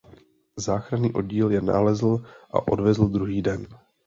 Záchranný oddíl je nalezl a odvezl druhý den.